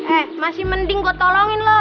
eh masih mending kok tolongin lo